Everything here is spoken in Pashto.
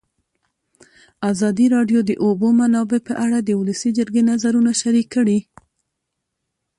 ازادي راډیو د د اوبو منابع په اړه د ولسي جرګې نظرونه شریک کړي.